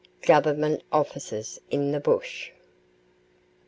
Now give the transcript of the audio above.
GOVERNMENT OFFICERS IN THE BUSH.